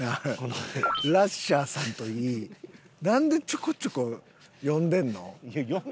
ラッシャーさんといいなんでちょこちょこ呼んでるの？